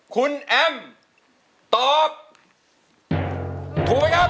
คุณแอมตอบถูกไหมครับ